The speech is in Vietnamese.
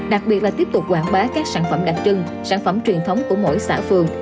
đặc biệt là tiếp tục quảng bá các sản phẩm đặc trưng sản phẩm truyền thống của mỗi xã phường